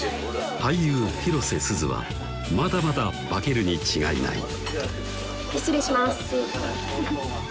俳優・広瀬すずはまだまだ化けるに違いない失礼します